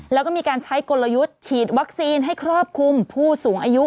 แล้วก็มีการใช้กลยุทธ์ฉีดวัคซีนให้ครอบคลุมผู้สูงอายุ